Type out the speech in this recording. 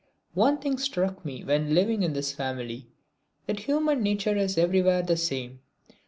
One thing struck me when living in this family that human nature is everywhere the same.